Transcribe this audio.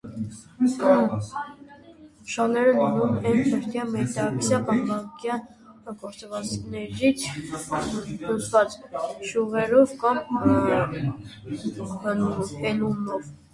Շալերը լինում են բրդյա, մետաքսյա, բամբակյա գործվածքներից՝ հյուսված շյուղերով կամ հելունով։